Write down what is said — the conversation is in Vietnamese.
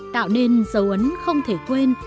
tạo nên dấu ấn không thể quên